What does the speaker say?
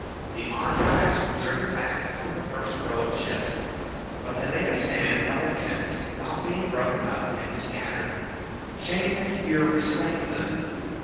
The Argives were driven back from the first row of ships, but they made a stand by their tents without being broken up and scattered; shame and fear restrained them.